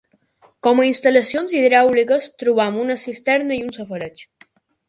Com a instal·lacions hidràuliques trobam una cisterna i un safareig.